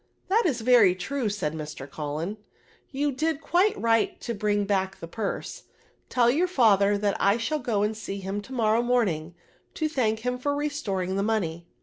*'" That is very true," said Mr. Cullen; '' you did quite right to bring back the purse ; tell your &tber that I shall go and see him to morrow morning, to thank him for re storing the money."